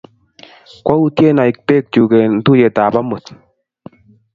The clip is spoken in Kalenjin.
Kwoutyen aip peek chuk eng' tuyet ap amut